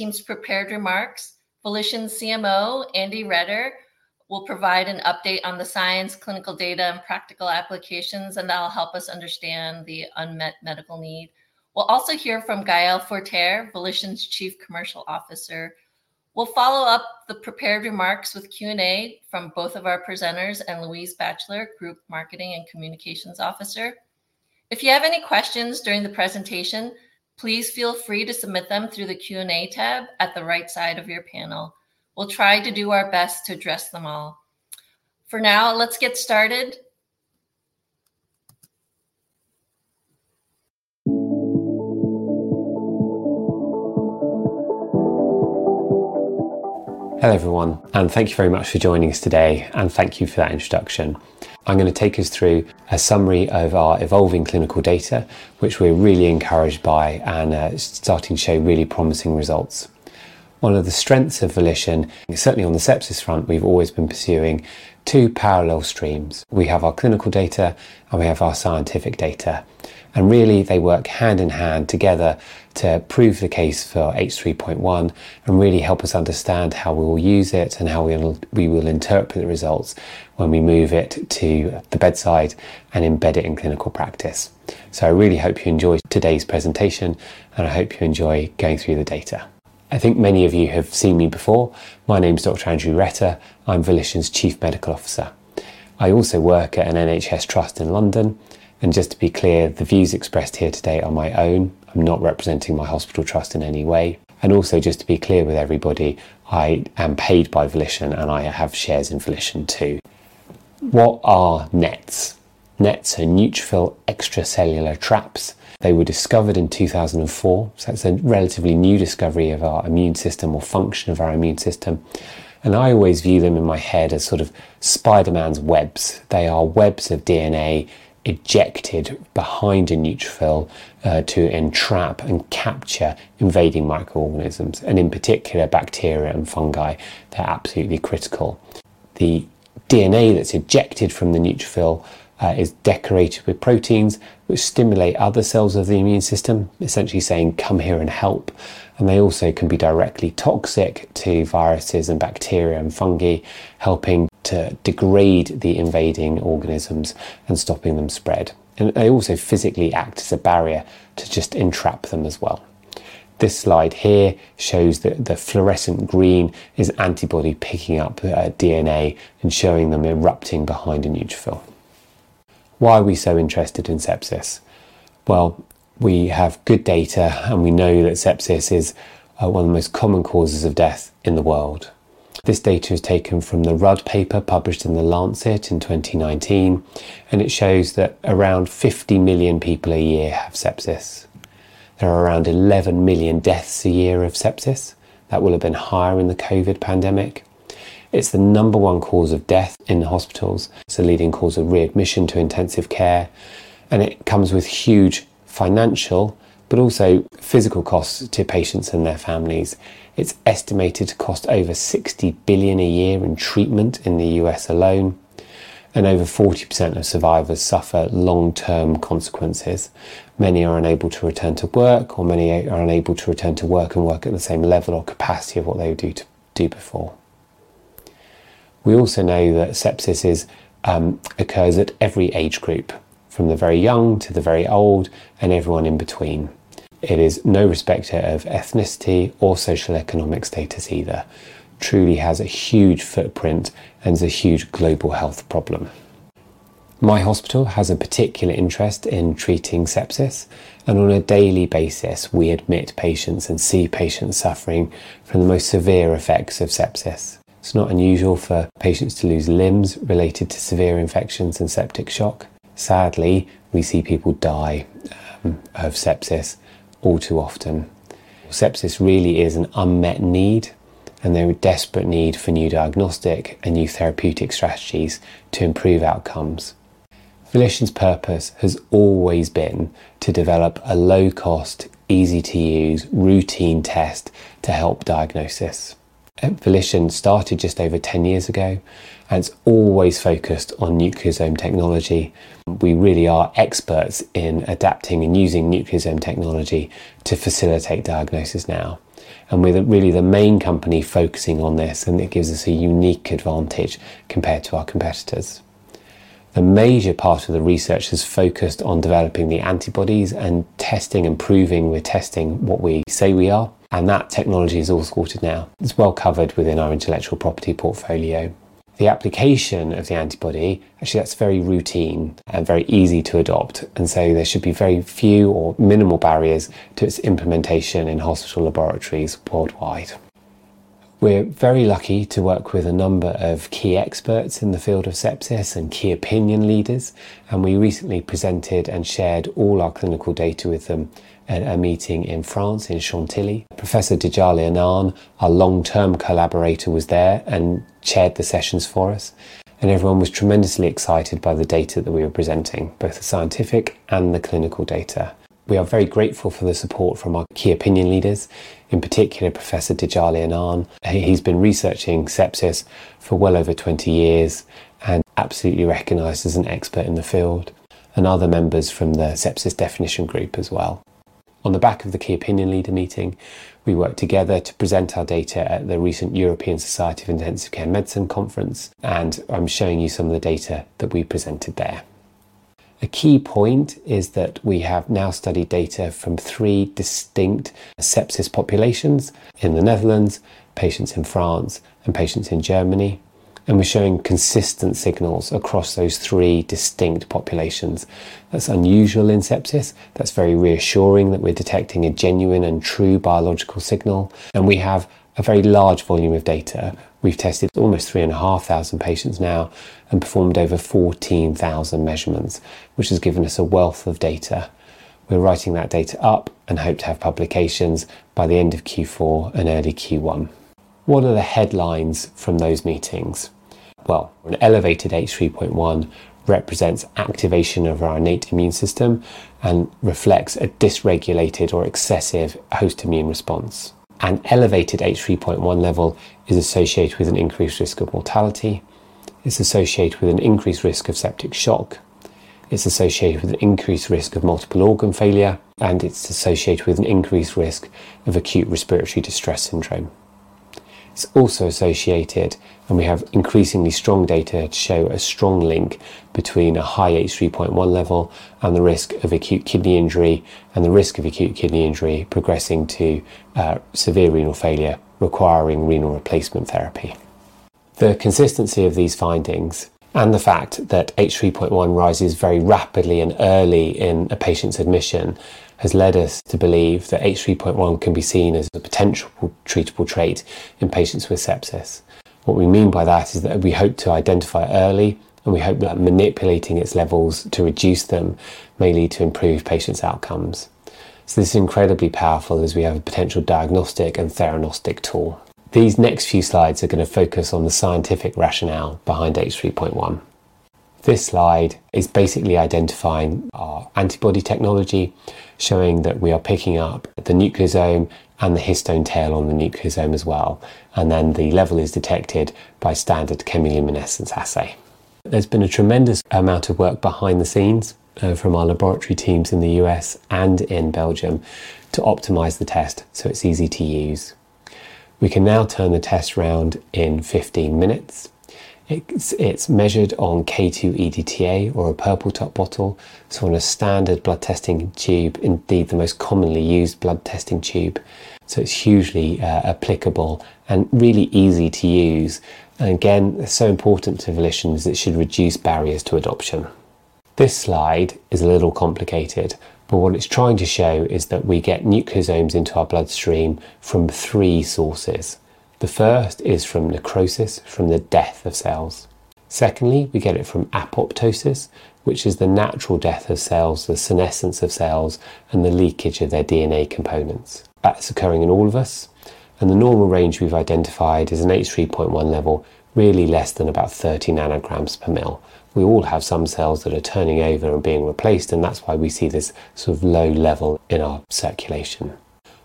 Team's prepared remarks, Volition CMO, Andrew Retter, will provide an update on the science, clinical data, and practical applications, and that'll help us understand the unmet medical need. We'll also hear from Gaëlle Forget, Volition's Chief Commercial Officer. We'll follow up the prepared remarks with Q&A from both of our presenters, and Louise Batchelor, Group Marketing and Communications Officer. If you have any questions during the presentation, please feel free to submit them through the Q&A tab at the right side of your panel. We'll try to do our best to address them all. For now, let's get started. Hello, everyone, and thank you very much for joining us today, and thank you for that introduction. I'm gonna take us through a summary of our evolving clinical data, which we're really encouraged by and starting to show really promising results. One of the strengths of Volition, and certainly on the sepsis front, we've always been pursuing two parallel streams. We have our clinical data, and we have our scientific data, and really, they work hand-in-hand together to prove the case for H3.1 and really help us understand how we will use it and how we will interpret the results when we move it to the bedside and embed it in clinical practice. So I really hope you enjoy today's presentation, and I hope you enjoy going through the data. I think many of you have seen me before. My name is Dr. Andrew Retter. I'm Volition's Chief Medical Officer. I also work at an NHS trust in London, and just to be clear, the views expressed here today are my own. I'm not representing my hospital trust in any way. And also, just to be clear with everybody, I am paid by Volition, and I have shares in Volition, too. What are NETs? NETs are neutrophil extracellular traps. They were discovered in 2004, so it's a relatively new discovery of our immune system or function of our immune system, and I always view them in my head as sort of Spider-Man's webs. They are webs of DNA ejected behind a neutrophil to entrap and capture invading microorganisms, and in particular, bacteria and fungi. They're absolutely critical. The DNA that's ejected from the neutrophil is decorated with proteins, which stimulate other cells of the immune system, essentially saying, "Come here and help," and they also can be directly toxic to viruses, and bacteria, and fungi, helping to degrade the invading organisms and stopping them spread. And they also physically act as a barrier to just entrap them as well. This slide here shows the fluorescent green is antibody picking up DNA and showing them erupting behind a neutrophil. Why are we so interested in sepsis? Well, we have good data, and we know that sepsis is one of the most common causes of death in the world. This data is taken from the Rudd paper, published in The Lancet in 2019, and it shows that around fifty million people a year have sepsis. There are around eleven million deaths a year of sepsis. That will have been higher in the COVID pandemic. It's the number one cause of death in the hospitals. It's a leading cause of readmission to intensive care, and it comes with huge financial, but also physical costs to patients and their families. It's estimated to cost over $60 billion a year in treatment in the U.S. alone, and over 40% of survivors suffer long-term consequences. Many are unable to return to work, or many are unable to return to work and work at the same level or capacity of what they did before. We also know that sepsis is, occurs at every age group, from the very young to the very old and everyone in between. It is no respecter of ethnicity or socioeconomic status either. Truly has a huge footprint and is a huge global health problem. My hospital has a particular interest in treating sepsis, and on a daily basis, we admit patients and see patients suffering from the most severe effects of sepsis. It's not unusual for patients to lose limbs related to severe infections and septic shock. Sadly, we see people die, of sepsis all too often. Sepsis really is an unmet need, and there is desperate need for new diagnostic and new therapeutic strategies to improve outcomes. Volition's purpose has always been to develop a low-cost, easy-to-use, routine test to help diagnose this. And Volition started just over ten years ago, and it's always focused on nucleosome technology. We really are experts in adapting and using nucleosome technology to facilitate diagnosis now, and we're really the main company focusing on this, and it gives us a unique advantage compared to our competitors. The major part of the research is focused on developing the antibodies and testing and proving we're testing what we say we are, and that technology is all sorted now. It's well-covered within our intellectual property portfolio. The application of the antibody, actually, that's very routine and very easy to adopt, and so there should be very few or minimal barriers to its implementation in hospital laboratories worldwide. We're very lucky to work with a number of key experts in the field of sepsis and key opinion leaders, and we recently presented and shared all our clinical data with them at a meeting in France, in Chantilly. Professor Djillali Annane, our long-term collaborator, was there and chaired the sessions for us, and everyone was tremendously excited by the data that we were presenting, both the scientific and the clinical data. We are very grateful for the support from our key opinion leaders, in particular, Professor Djillali Annane. He's been researching sepsis for well over twenty years and absolutely recognized as an expert in the field, and other members from the Sepsis Definition Group as well. On the back of the key opinion leader meeting, we worked together to present our data at the recent European Society of Intensive Care Medicine conference, and I'm showing you some of the data that we presented there. A key point is that we have now studied data from three distinct sepsis populations: in the Netherlands, patients in France, and patients in Germany, and we're showing consistent signals across those three distinct populations. That's unusual in sepsis. That's very reassuring that we're detecting a genuine and true biological signal, and we have a very large volume of data. We've tested almost three and a half thousand patients now and performed over 14 thousand measurements, which has given us a wealth of data. We're writing that data up and hope to have publications by the end of Q4 and early Q1. What are the headlines from those meetings? Well, an elevated H3.1 represents activation of our innate immune system and reflects a dysregulated or excessive host immune response. An elevated H3.1 level is associated with an increased risk of mortality, it's associated with an increased risk of septic shock, it's associated with an increased risk of multiple organ failure, and it's associated with an increased risk of acute respiratory distress syndrome. It's also associated, and we have increasingly strong data to show a strong link between a high H3.1 level and the risk of acute kidney injury, and the risk of acute kidney injury progressing to severe renal failure, requiring renal replacement therapy. The consistency of these findings and the fact that H3.1 rises very rapidly and early in a patient's admission, has led us to believe that H3.1 can be seen as a potential treatable trait in patients with sepsis. What we mean by that is that we hope to identify early, and we hope that manipulating its levels to reduce them may lead to improved patients' outcomes. So this is incredibly powerful, as we have a potential diagnostic and theranostic tool. These next few slides are gonna focus on the scientific rationale behind H3.1. This slide is basically identifying our antibody technology, showing that we are picking up the nucleosome and the histone tail on the nucleosome as well, and then the level is detected by standard chemiluminescence assay. There's been a tremendous amount of work behind the scenes from our laboratory teams in the U.S. and in Belgium to optimize the test so it's easy to use. We can now turn the test around in fifteen minutes. It's measured on K2 EDTA or a purple-top bottle, so on a standard blood-testing tube, indeed, the most commonly used blood-testing tube. So it's hugely applicable and really easy to use. And again, it's so important to Volition, as it should reduce barriers to adoption. This slide is a little complicated, but what it's trying to show is that we get nucleosomes into our bloodstream from three sources. The first is from necrosis, from the death of cells. Secondly, we get it from apoptosis, which is the natural death of cells, the senescence of cells, and the leakage of their DNA components. That's occurring in all of us, and the normal range we've identified is an H3.1 level, really less than about 30 nanograms per mL. We all have some cells that are turning over and being replaced, and that's why we see this sort of low level in our circulation.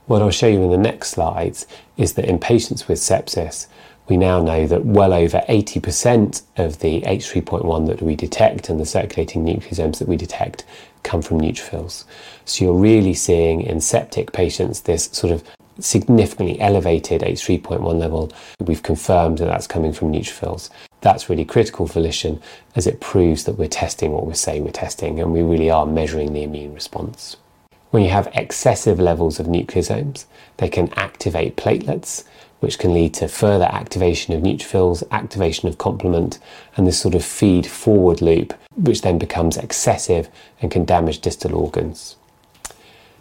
What I'll show you in the next slides is that in patients with sepsis, we now know that well over 80% of the H3.1 that we detect, and the circulating nucleosomes that we detect, come from neutrophils. So you're really seeing, in septic patients, this sort of significantly elevated H3.1 level, we've confirmed that that's coming from neutrophils. That's really critical for Volition, as it proves that we're testing what we say we're testing, and we really are measuring the immune response. When you have excessive levels of nucleosomes, they can activate platelets, which can lead to further activation of neutrophils, activation of complement, and this sort of feed-forward loop, which then becomes excessive and can damage distal organs.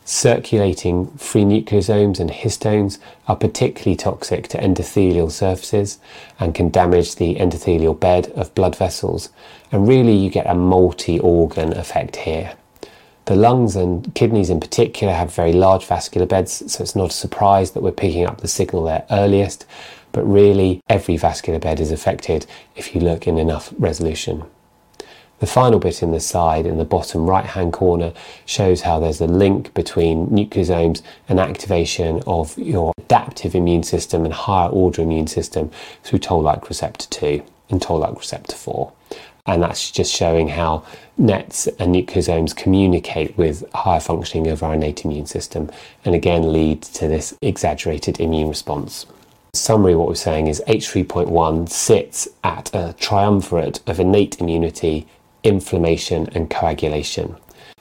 Circulating free nucleosomes and histones are particularly toxic to endothelial surfaces and can damage the endothelial bed of blood vessels, and really, you get a multi-organ effect here. The lungs and kidneys, in particular, have very large vascular beds, so it's not a surprise that we're picking up the signal there earliest, but really, every vascular bed is affected if you look in enough resolution. The final bit in this slide, in the bottom right-hand corner, shows how there's a link between nucleosomes and activation of your adaptive immune system and higher-order immune system through Toll-like receptor two and Toll-like receptor four, and that's just showing how NETs and nucleosomes communicate with higher functioning of our innate immune system, and again, leads to this exaggerated immune response. In summary, what we're saying is H3.1 sits at a triumvirate of innate immunity, inflammation, and coagulation.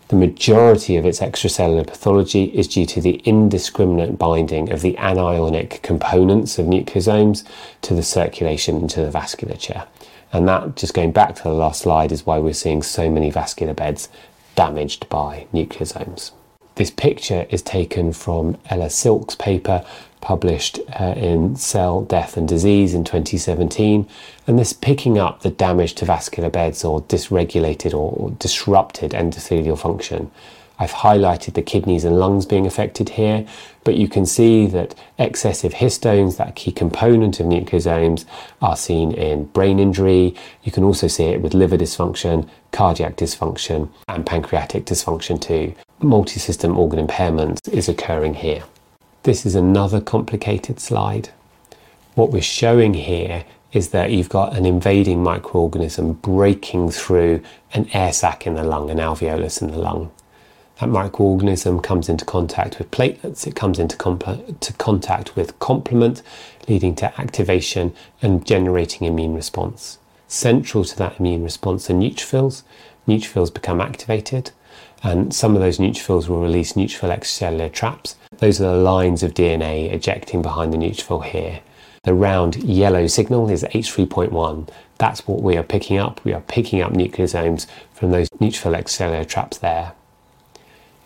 The majority of its extracellular pathology is due to the indiscriminate binding of the anionic components of nucleosomes to the circulation into the vasculature, and that, just going back to the last slide, is why we're seeing so many vascular beds damaged by nucleosomes. This picture is taken from Ella Silk's paper, published in Cell Death and Disease in 2017, and it's picking up the damage to vascular beds or dysregulated or disrupted endothelial function. I've highlighted the kidneys and lungs being affected here, but you can see that excessive histones, that key component of nucleosomes, are seen in brain injury. You can also see it with liver dysfunction, cardiac dysfunction, and pancreatic dysfunction, too. Multi-system organ impairment is occurring here. This is another complicated slide. What we're showing here is that you've got an invading microorganism breaking through an air sac in the lung, an alveolus in the lung. That microorganism comes into contact with platelets. It comes into contact with complement, leading to activation and generating immune response. Central to that immune response are neutrophils. Neutrophils become activated, and some of those neutrophils will release neutrophil extracellular traps. Those are the lines of DNA ejecting behind the neutrophil here. The round yellow signal is H3.1. That's what we are picking up. We are picking up nucleosomes from those neutrophil extracellular traps there.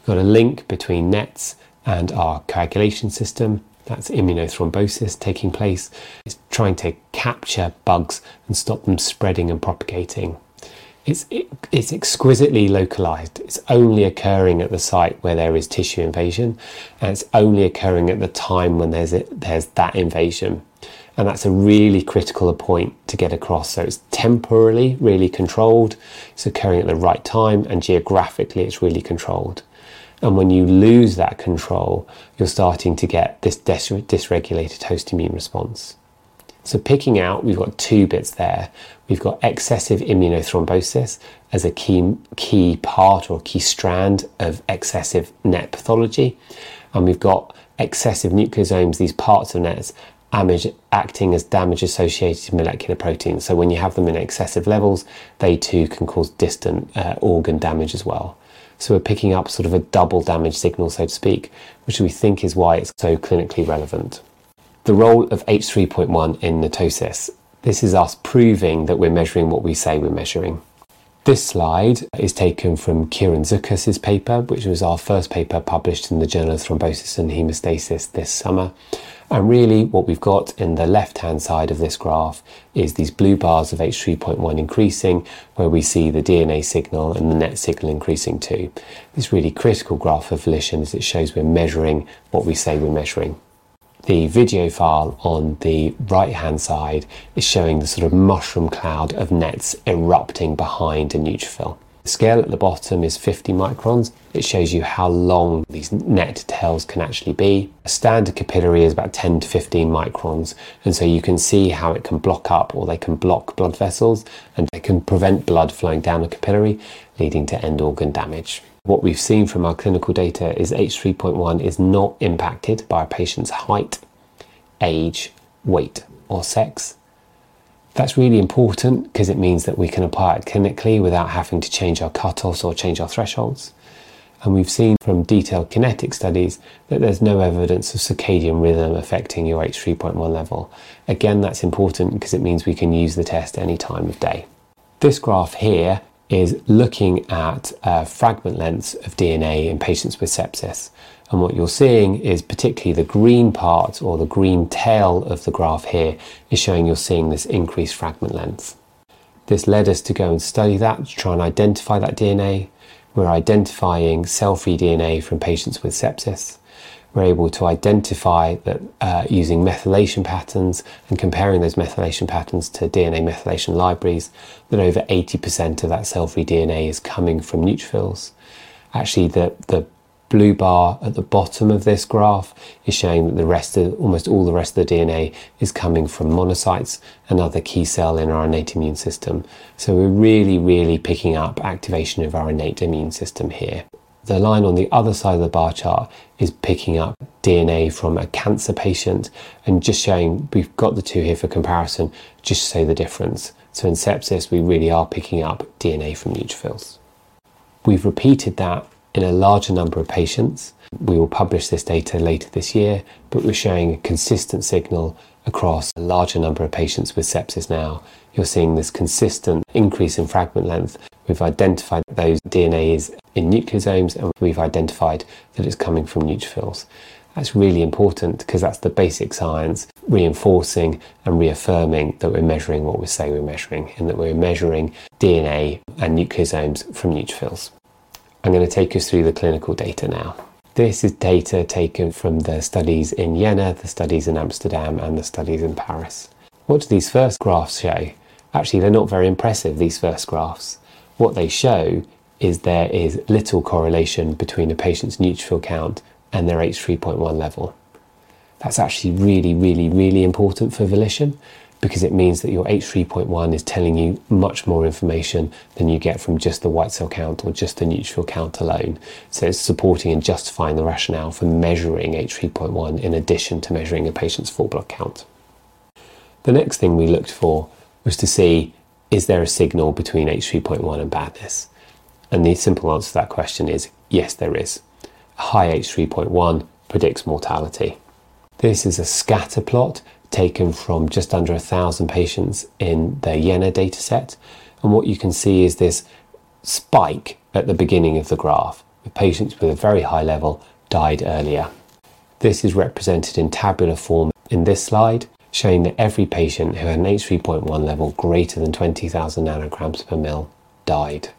We've got a link between NETs and our coagulation system. That's immunothrombosis taking place. It's trying to capture bugs and stop them spreading and propagating. It's exquisitely localized. It's only occurring at the site where there is tissue invasion, and it's only occurring at the time when there's that invasion, and that's a really critical point to get across. It's temporally really controlled, it's occurring at the right time, and geographically, it's really controlled, and when you lose that control, you're starting to get this dysregulated host immune response. So picking out, we've got two bits there. We've got excessive immunothrombosis as a key, key part or key strand of excessive NET pathology, and we've got excessive nucleosomes, these parts of NETs, damage... acting as damage-associated molecular proteins. So when you have them in excessive levels, they too can cause distant, organ damage as well. So we're picking up sort of a double damage signal, so to speak, which we think is why it's so clinically relevant. The role of H3.1 in NETosis. This is us proving that we're measuring what we say we're measuring. This slide is taken from Kieran Zukas's paper, which was our first paper published in the Journal of Thrombosis and Haemostasis this summer, and really what we've got in the left-hand side of this graph is these blue bars of H3.1 increasing, where we see the DNA signal and the NET signal increasing, too. This really critical graph for Volition, as it shows we're measuring what we say we're measuring. The video file on the right-hand side is showing the sort of mushroom cloud of NETs erupting behind a neutrophil. The scale at the bottom is 50 microns. It shows you how long these NET tails can actually be. A standard capillary is about 10-15 microns, and so you can see how it can block up, or they can block blood vessels, and it can prevent blood flowing down a capillary, leading to end organ damage. What we've seen from our clinical data is H3.1 is not impacted by a patient's height, age, weight, or sex. That's really important, 'cause it means that we can apply it clinically without having to change our cut-offs or change our thresholds, and we've seen from detailed kinetic studies that there's no evidence of circadian rhythm affecting your H3.1 level. Again, that's important, because it means we can use the test any time of day. This graph here is looking at fragment lengths of DNA in patients with sepsis, and what you're seeing is particularly the green part, or the green tail of the graph here, is showing you're seeing this increased fragment length. This led us to go and study that, to try and identify that DNA. We're identifying cell-free DNA from patients with sepsis. We're able to identify that using methylation patterns and comparing those methylation patterns to DNA methylation libraries, that over 80% of that cell-free DNA is coming from neutrophils. Actually, the blue bar at the bottom of this graph is showing that the rest of... almost all the rest of the DNA is coming from monocytes, another key cell in our innate immune system. So we're really, really picking up activation of our innate immune system here. The line on the other side of the bar chart is picking up DNA from a cancer patient and just showing we've got the two here for comparison, just to show the difference. So in sepsis, we really are picking up DNA from neutrophils. We've repeated that in a larger number of patients. We will publish this data later this year, but we're showing a consistent signal across a larger number of patients with sepsis now. You're seeing this consistent increase in fragment length. We've identified those DNAs in nucleosomes, and we've identified that it's coming from neutrophils. That's really important, 'cause that's the basic science reinforcing and reaffirming that we're measuring what we say we're measuring, and that we're measuring DNA and nucleosomes from neutrophils. I'm gonna take you through the clinical data now. This is data taken from the studies in Jena, the studies in Amsterdam, and the studies in Paris. What do these first graphs show? Actually, they're not very impressive, these first graphs. What they show is there is little correlation between a patient's neutrophil count and their H3.1 level. That's actually really, really, really important for Volition, because it means that your H3.1 is telling you much more information than you get from just the white cell count or just the neutrophil count alone. So it's supporting and justifying the rationale for measuring H3.1 in addition to measuring a patient's full blood count. The next thing we looked for was to see, is there a signal between H3.1 and badness? And the simple answer to that question is, yes, there is. High H3.1 predicts mortality. This is a scatter plot taken from just under a thousand patients in the Jena data set, and what you can see is this spike at the beginning of the graph. The patients with a very high level died earlier. This is represented in tabular form in this slide, showing that every patient who had an H3.1 level greater than 20,000 nanograms per mL died.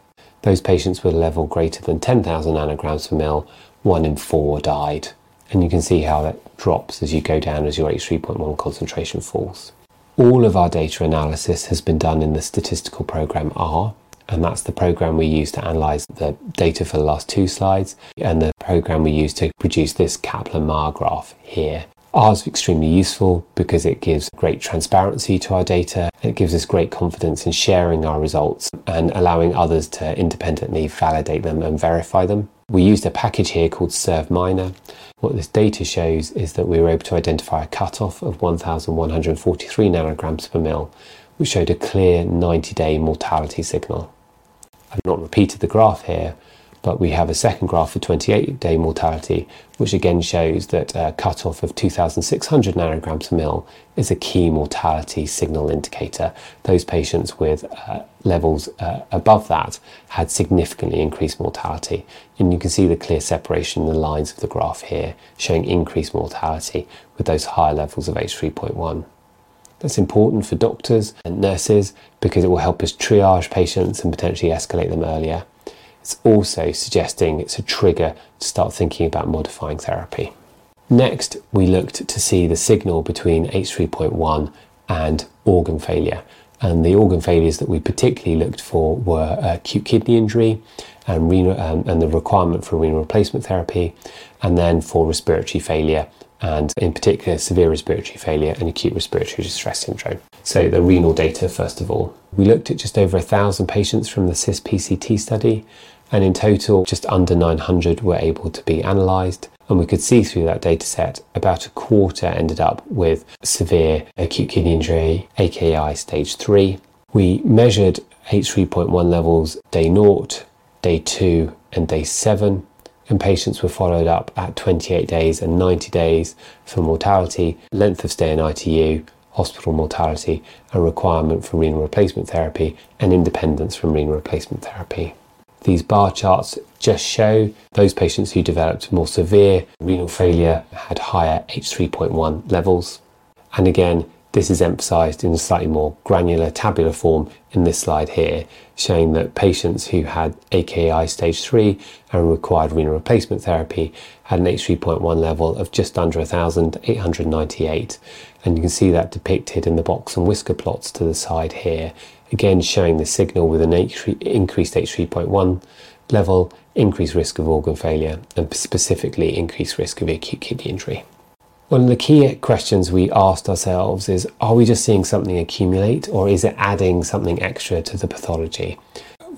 Those patients with a level greater than 10,000 nanograms per mL, one in four died, and you can see how that drops as you go down, as your H3.1 concentration falls. All of our data analysis has been done in the statistical program, R, and that's the program we used to analyze the data for the last two slides, and the program we used to produce this Kaplan-Meier graph here. R is extremely useful because it gives great transparency to our data, and it gives us great confidence in sharing our results and allowing others to independently validate them and verify them. We used a package here called Survminer. What this data shows is that we were able to identify a cutoff of 1,143 nanograms per mL, which showed a clear 90-day mortality signal. I've not repeated the graph here, but we have a second graph for 28-day mortality, which again shows that a cutoff of 2,600 nanograms per mL is a key mortality signal indicator. Those patients with levels above that had significantly increased mortality, and you can see the clear separation in the lines of the graph here, showing increased mortality with those higher levels of H3.1. That's important for doctors and nurses because it will help us triage patients and potentially escalate them earlier. It's also suggesting it's a trigger to start thinking about modifying therapy. Next, we looked to see the signal between H3.1 and organ failure, and the organ failures that we particularly looked for were acute kidney injury and the requirement for renal replacement therapy, and then for respiratory failure and, in particular, severe respiratory failure and acute respiratory distress syndrome. So the renal data, first of all. We looked at just over a thousand patients from the SISPCT study, and in total, just under nine hundred were able to be analyzed, and we could see through that data set, about a quarter ended up with severe acute kidney injury, AKI Stage 3. We measured H3.1 levels Day naught, Day two, and Day seven, and patients were followed up at twenty-eight days and ninety days for mortality, length of stay in ITU, hospital mortality, and requirement for renal replacement therapy, and independence from renal replacement therapy. These bar charts just show those patients who developed more severe renal failure had higher H3.1 levels. Again, this is emphasized in a slightly more granular tabular form in this slide here, showing that patients who had AKI Stage 3 and required renal replacement therapy had an H3.1 level of just under a thousand eight hundred and ninety-eight, and you can see that depicted in the box and whisker plots to the side here, again, showing the signal with an H3.1 increased H3.1 level, increased risk of organ failure, and specifically increased risk of acute kidney injury. One of the key questions we asked ourselves is: Are we just seeing something accumulate, or is it adding something extra to the pathology?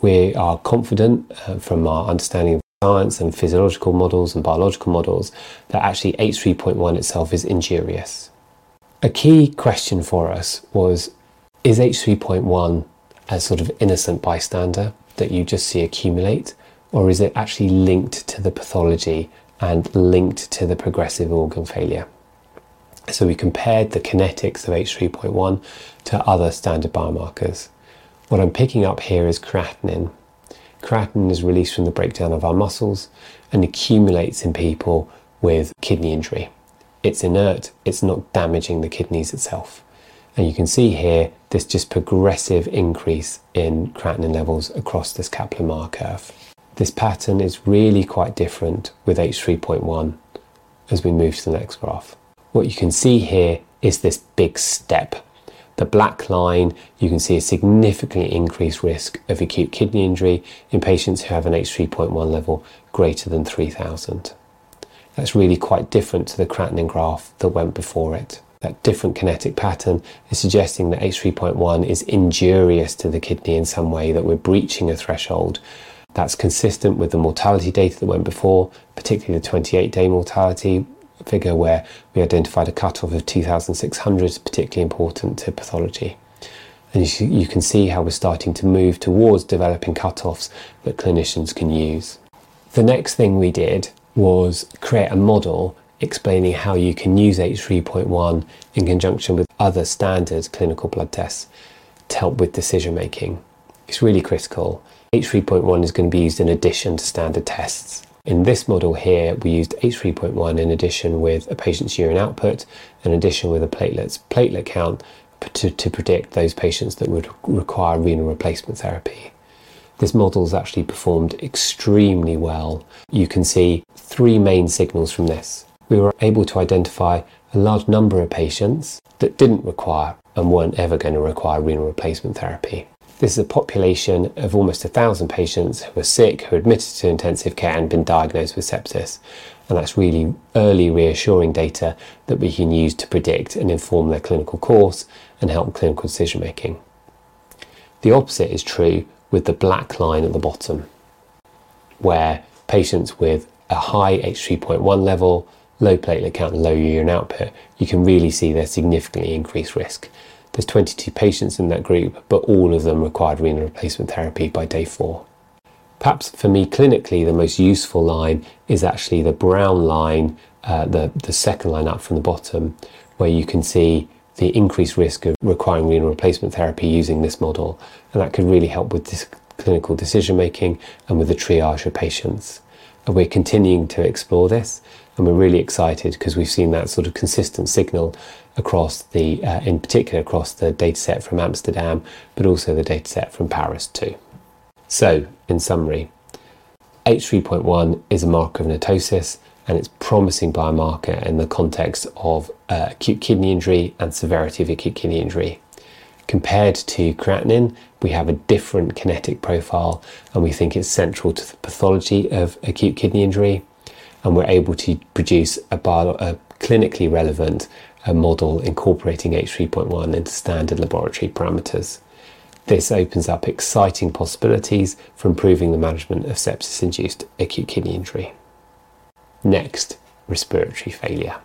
We are confident, from our understanding of science and physiological models and biological models, that actually H3.1 itself is injurious. A key question for us was: Is H3.1 a sort of innocent bystander that you just see accumulate, or is it actually linked to the pathology and linked to the progressive organ failure? So we compared the kinetics of H3.1 to other standard biomarkers. What I'm picking up here is creatinine. Creatinine is released from the breakdown of our muscles and accumulates in people with kidney injury. It's inert. It's not damaging the kidneys itself, and you can see here, there's just progressive increase in creatinine levels across this Kaplan-Meier curve. This pattern is really quite different with H3.1 as we move to the next graph. What you can see here is this big step. The black line, you can see a significantly increased risk of acute kidney injury in patients who have an H3.1 level greater than three thousand. That's really quite different to the creatinine graph that went before it. That different kinetic pattern is suggesting that H3.1 is injurious to the kidney in some way, that we're breaching a threshold. That's consistent with the mortality data that went before, particularly the twenty-eight-day mortality figure, where we identified a cutoff of two thousand six hundred is particularly important to pathology, and you can see how we're starting to move towards developing cutoffs that clinicians can use. The next thing we did was create a model explaining how you can use H3.1 in conjunction with other standard clinical blood tests to help with decision-making. It's really critical. H3.1 is going to be used in addition to standard tests. In this model here, we used H3.1 in addition with a patient's urine output, in addition with a platelet's platelet count to predict those patients that would require renal replacement therapy. This model has actually performed extremely well. You can see three main signals from this. We were able to identify a large number of patients that didn't require and weren't ever going to require renal replacement therapy. This is a population of almost a thousand patients who are sick, who are admitted to intensive care and been diagnosed with sepsis, and that's really early reassuring data that we can use to predict and inform their clinical course and help clinical decision-making. The opposite is true with the black line at the bottom, where patients with a high H3.1 level, low platelet count, and low urine output, you can really see their significantly increased risk. There's 22 patients in that group, but all of them required renal replacement therapy by day 4. Perhaps for me, clinically, the most useful line is actually the brown line, the second line up from the bottom, where you can see the increased risk of requiring renal replacement therapy using this model, and that could really help with this clinical decision-making and with the triage of patients. And we're continuing to explore this, and we're really excited because we've seen that sort of consistent signal across the, in particular, across the data set from Amsterdam, but also the data set from Paris, too. So, in summary, H3.1 is a marker of netosis, and it's a promising biomarker in the context of, acute kidney injury and severity of acute kidney injury. Compared to creatinine, we have a different kinetic profile, and we think it's central to the pathology of acute kidney injury, and we're able to produce a clinically relevant model incorporating H3.1 into standard laboratory parameters. This opens up exciting possibilities for improving the management of sepsis-induced acute kidney injury. Next, respiratory failure.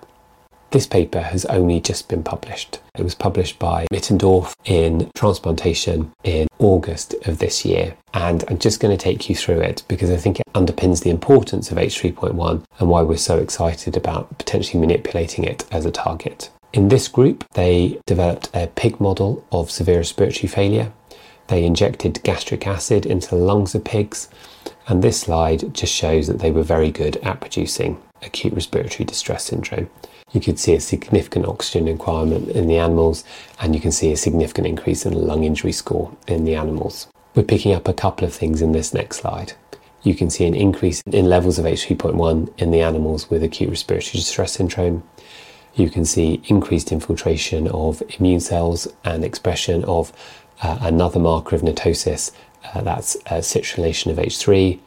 This paper has only just been published. It was published by Mittendorf in Transplantation in August of this year, and I'm just gonna take you through it, because I think it underpins the importance of H3.1 and why we're so excited about potentially manipulating it as a target. In this group, they developed a pig model of severe respiratory failure. They injected gastric acid into the lungs of pigs, and this slide just shows that they were very good at producing acute respiratory distress syndrome. You can see a significant oxygen requirement in the animals, and you can see a significant increase in the lung injury score in the animals. We're picking up a couple of things in this next slide. You can see an increase in levels of H3.1 in the animals with acute respiratory distress syndrome. You can see increased infiltration of immune cells and expression of another marker of NETosis, that's a citrullination of H3,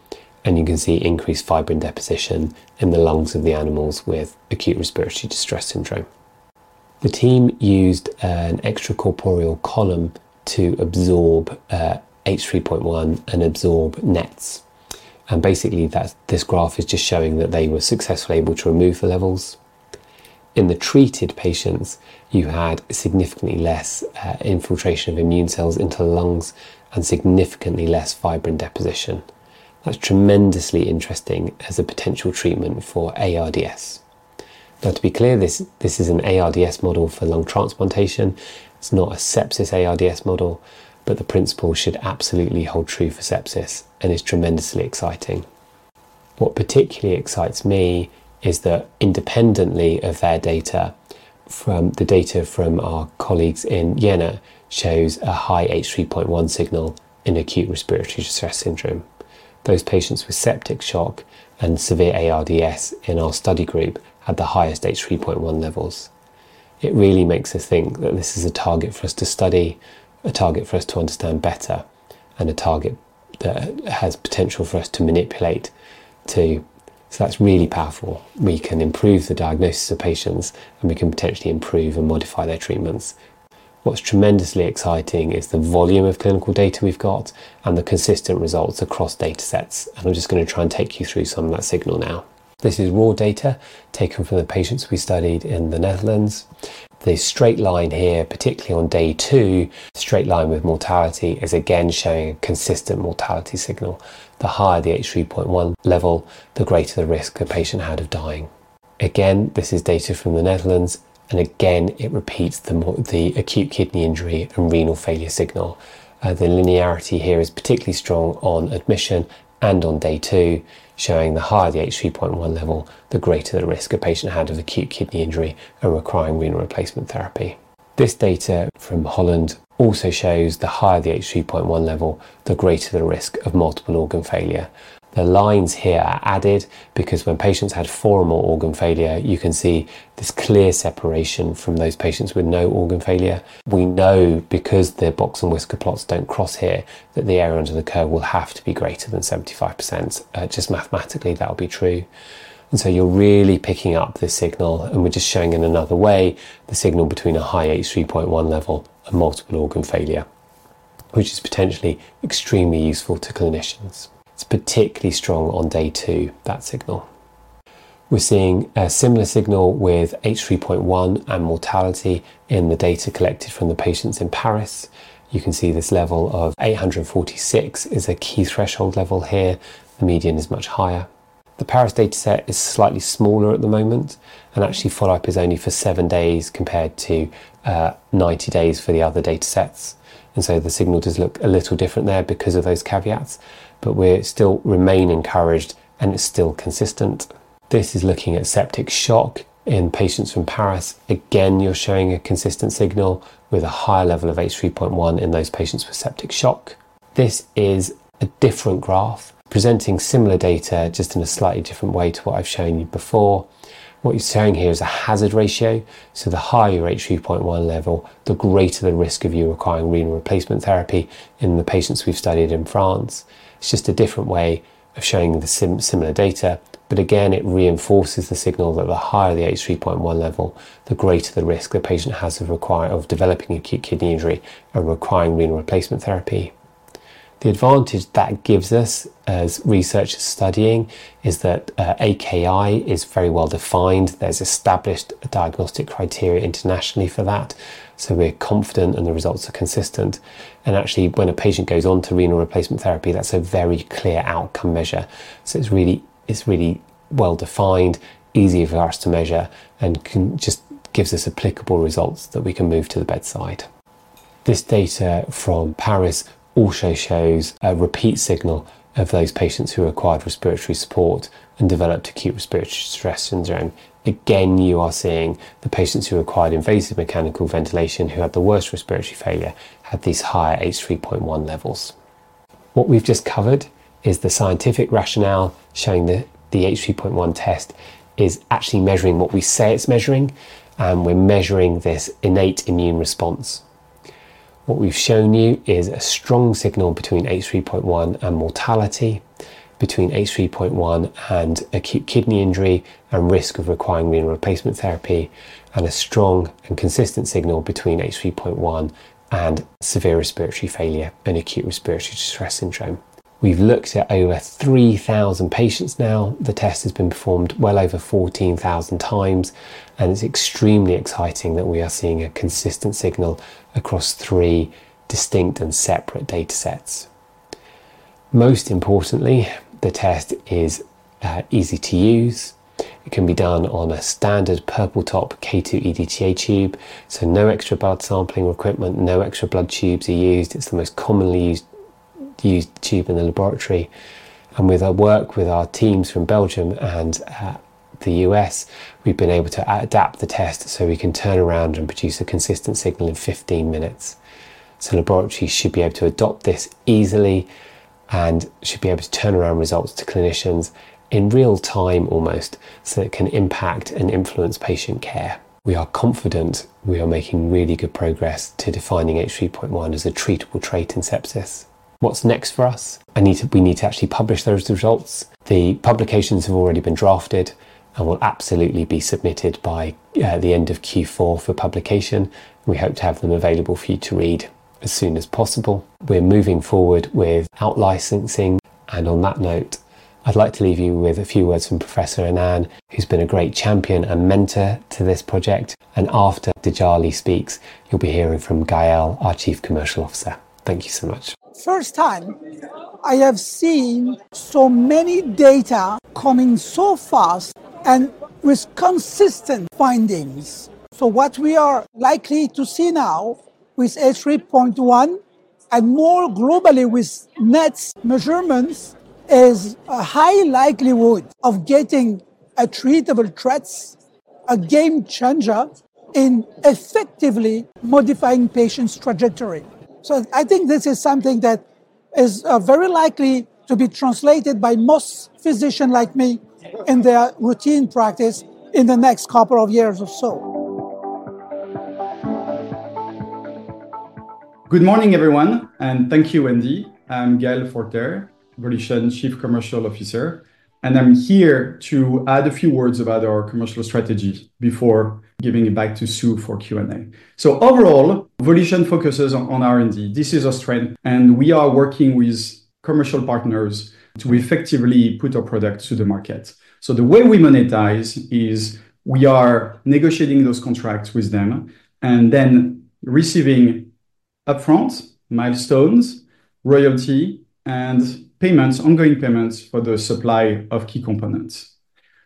and you can see increased fibrin deposition in the lungs of the animals with acute respiratory distress syndrome. The team used an extracorporeal column to absorb H3.1 and absorb NETs, and basically, this graph is just showing that they were successfully able to remove the levels. In the treated patients, you had significantly less infiltration of immune cells into the lungs and significantly less fibrin deposition. That's tremendously interesting as a potential treatment for ARDS. Now, to be clear, this, this is an ARDS model for lung transplantation. It's not a sepsis ARDS model, but the principle should absolutely hold true for sepsis and is tremendously exciting. What particularly excites me is that independently of their data, from the data from our colleagues in Vienna, shows a high H3.1 signal in acute respiratory distress syndrome. Those patients with septic shock and severe ARDS in our study group had the highest H3.1 levels. It really makes us think that this is a target for us to study, a target for us to understand better, and a target that has potential for us to manipulate, too. So that's really powerful. We can improve the diagnosis of patients, and we can potentially improve and modify their treatments. What's tremendously exciting is the volume of clinical data we've got and the consistent results across data sets, and I'm just gonna try and take you through some of that signal now. This is raw data taken from the patients we studied in the Netherlands. The straight line here, particularly on day two, straight line with mortality, is again showing a consistent mortality signal. The higher the H3.1 level, the greater the risk the patient had of dying. Again, this is data from the Netherlands, and again, it repeats the acute kidney injury and renal failure signal. The linearity here is particularly strong on admission and on day two, showing the higher the H3.1 level, the greater the risk a patient had of acute kidney injury and requiring renal replacement therapy. This data from Holland also shows the higher the H3.1 level, the greater the risk of multiple organ failure. The lines here are added, because when patients had four or more organ failure, you can see this clear separation from those patients with no organ failure. We know, because the box and whisker plots don't cross here, that the area under the curve will have to be greater than 75%. Just mathematically, that'll be true, and so you're really picking up the signal, and we're just showing it in another way, the signal between a high H3.1 level and multiple organ failure, which is potentially extremely useful to clinicians. It's particularly strong on day two, that signal. We're seeing a similar signal with H3.1 and mortality in the data collected from the patients in Paris. You can see this level of eight hundred and forty-six is a key threshold level here. The median is much higher. The Paris data set is slightly smaller at the moment, and actually, follow-up is only for seven days, compared to ninety days for the other data sets, and so the signal does look a little different there because of those caveats, but we're still remain encouraged, and it's still consistent. This is looking at septic shock in patients from Paris. Again, you're showing a consistent signal with a higher level of H3.1 in those patients with septic shock. This is a different graph presenting similar data, just in a slightly different way to what I've shown you before. What you're seeing here is a hazard ratio, so the higher your H3.1 level, the greater the risk of you requiring renal replacement therapy in the patients we've studied in France. It's just a different way of showing the similar data, but again, it reinforces the signal that the higher the H3.1 level, the greater the risk the patient has of developing acute kidney injury and requiring renal replacement therapy. The advantage that gives us as researchers studying is that AKI is very well defined. There's established diagnostic criteria internationally for that, so we're confident, and the results are consistent, and actually, when a patient goes on to renal replacement therapy, that's a very clear outcome measure. So it's really well defined, easier for us to measure, and just gives us applicable results that we can move to the bedside. This data from Paris also shows a repeat signal of those patients who acquired respiratory support and developed acute respiratory distress syndrome. Again, you are seeing the patients who acquired invasive mechanical ventilation, who had the worst respiratory failure, had these higher H3.1 levels... What we've just covered is the scientific rationale showing that the H3.1 test is actually measuring what we say it's measuring, and we're measuring this innate immune response. What we've shown you is a strong signal between H3.1 and mortality, between H3.1 and acute kidney injury, and risk of requiring renal replacement therapy, and a strong and consistent signal between H3.1 and severe respiratory failure and acute respiratory distress syndrome. We've looked at over 3,000 patients now. The test has been performed well over 14,000 times, and it's extremely exciting that we are seeing a consistent signal across three distinct and separate data sets. Most importantly, the test is easy to use. It can be done on a standard purple top K2 EDTA tube, so no extra blood sampling equipment, no extra blood tubes are used. It's the most commonly used tube in the laboratory, and with our work with our teams from Belgium and the U.S., we've been able to adapt the test so we can turn around and produce a consistent signal in fifteen minutes, so laboratories should be able to adopt this easily and should be able to turn around results to clinicians in real time almost, so it can impact and influence patient care. We are confident we are making really good progress to defining H3.1 as a treatable trait in sepsis. What's next for us? We need to actually publish those results. The publications have already been drafted and will absolutely be submitted by the end of Q4 for publication. We hope to have them available for you to read as soon as possible. We're moving forward with out-licensing, and on that note, I'd like to leave you with a few words from Professor Annane, who's been a great champion and mentor to this project, and after Djillali speaks, you'll be hearing from Gaelle, our Chief Commercial Officer. Thank you so much. First time I have seen so many data coming so fast and with consistent findings. So what we are likely to see now with H3.1, and more globally with NETs measurements, is a high likelihood of getting a treatable trait, a game-changer in effectively modifying patients' trajectory. So I think this is something that is very likely to be translated by most physicians like me in their routine practice in the next couple of years or so. Good morning, everyone, and thank you, Andy. I'm Gaelle Forget, Volition Chief Commercial Officer, and I'm here to add a few words about our commercial strategy before giving it back to Sue for Q&A. Overall, Volition focuses on R&D. This is our strength, and we are working with commercial partners to effectively put our product to the market. The way we monetize is, we are negotiating those contracts with them and then receiving upfront milestones, royalty, and payments, ongoing payments for the supply of key components.